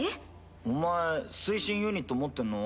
お前推進ユニット持ってんの？